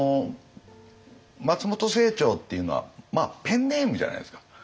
松本清張っていうのはペンネームじゃないですか。